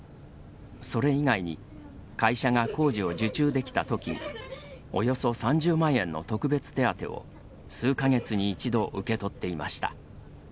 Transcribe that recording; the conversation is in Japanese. それ以外に会社が工事を受注できたときおよそ３０万円の特別手当を数か月に１度受け取っていました。